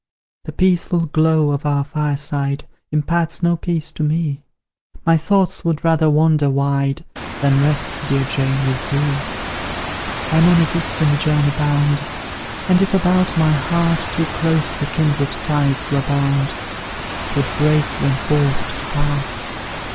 "The peaceful glow of our fireside Imparts no peace to me: My thoughts would rather wander wide Than rest, dear Jane, with thee. I'm on a distant journey bound, And if, about my heart, Too closely kindred ties were bound, 'Twould break when forced to part.